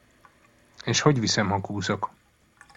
És hogy viszem, ha kúszok?